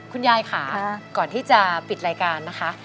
คุณยายค่ะก่อนที่จะปิดรายการนะคะ